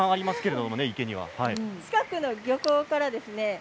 近くの漁港からですね